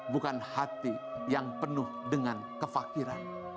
bukan hati yang penuh dengan kefakiran